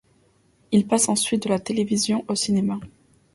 Il passe ensuite de la télévision au cinéma.